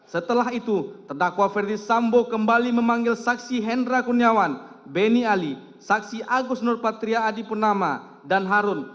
setelah itu terdakwa ferdisambo kembali memanggil saksi hendra kurniawan benny ali saksi agus nurpatria adipunama dan harun